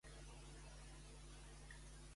Què agrega Snorri per a narrar-les?